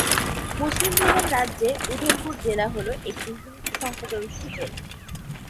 মুসলিম প্রধান রাজ্যে উধমপুর জেলা হল একটি হিন্দু সংখ্যাগরিষ্ঠ জেলা।